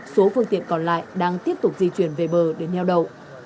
số phương tiện còn lại đang tiếp tục di chuyển về bờ để nheo đậu